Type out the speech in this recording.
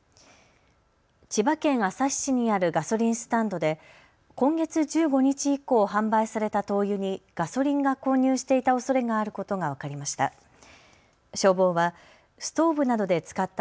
千葉県旭市にあるガソリンスタンドで今月１５日以降、販売された灯油にガソリンが混入していたおそれがあることが分かりました。